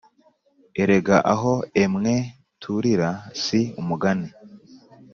Erega aho emwe, Tulira si umugani.